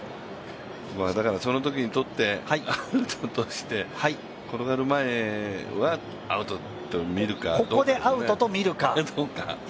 そのときに取ってアウトとして、転がる前はアウトと見るかどうかですね。